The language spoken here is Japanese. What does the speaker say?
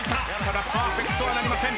パーフェクトはなりません。